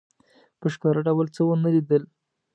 په ښکاره ډول څه ونه لیدل.